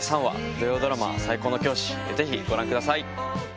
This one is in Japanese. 土曜ドラマ『最高の教師』ぜひご覧ください。